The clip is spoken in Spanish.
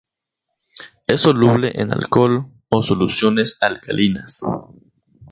Es soluble en alcohol, o soluciones alcalinas.